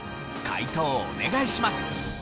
解答お願いします！